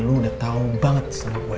lu udah tau banget sama gue